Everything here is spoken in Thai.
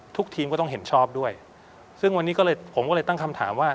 ทีมก็ต้องเห็นชอบด้วยซึ่งวันนี้ก็เลยผมก็เลยตั้งคำถามว่า